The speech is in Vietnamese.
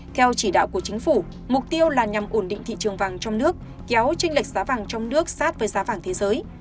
theo chỉ đạo của chính phủ mục tiêu là nhằm ổn định thị trường vàng trong nước kéo tranh lệch giá vàng trong nước sát với giá vàng thế giới